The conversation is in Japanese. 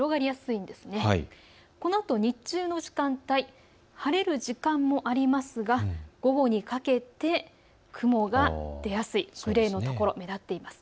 このあと日中の時間帯、晴れる時間もありますが午後にかけて雲が出やすい、グレーのところが目立っています。